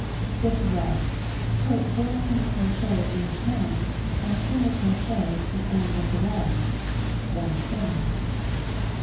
Fifth row: Put 4 single crochets in the chain, and single crochet to end of the row. 1 chain.